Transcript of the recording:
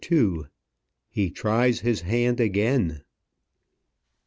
HE TRIES HIS HAND AGAIN.